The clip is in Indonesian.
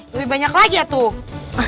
lebih banyak lagi ya tuh